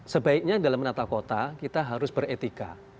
sebaiknya dalam menata kota kita harus beretika